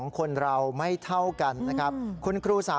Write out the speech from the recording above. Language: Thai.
ครับคุณ